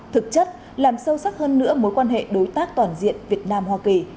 thực chất làm sâu sắc hơn nữa mối quan hệ đối tác toàn diện việt nam hoa kỳ